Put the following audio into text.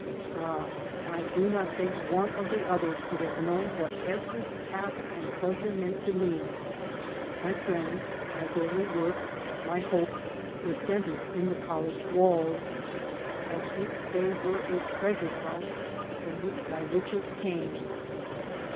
Ah, I do not think one of the others could have known what every task and pleasure meant to me. My friends, my daily work, my hopes, were centred in the college walls, [Ii8] 3 by Google MY MOTHER AND I as if they were a treasure house from which my riches came.